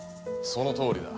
そのとおりだ。